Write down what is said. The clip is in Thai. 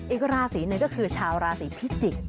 อีกราศีหนึ่งก็คือชาวราศีพิจิกษ์